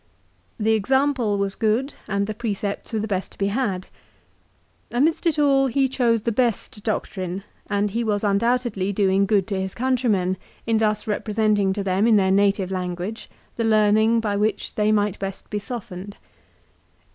The example was good, and the precepts were the best to be had. Amidst it all he chose the best doctrine, and he was undoubtedly doing good to his countrymen in thus representing to them in their native language the learning by which they might best be softened.